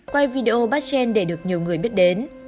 quay video bắt chen để được nhiều người biết đến